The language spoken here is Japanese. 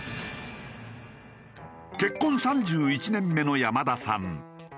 結婚３１年目の山田さん。